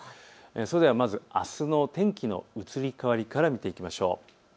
それではまず、あすの天気の移り変わりから見ていきましょう。